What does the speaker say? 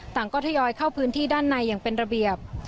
ต่างก็ทยอยเข้าพื้นที่ด้านในอย่างเป็นระเบียบ